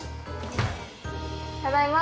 ただいま。